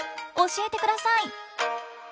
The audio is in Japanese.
教えてください！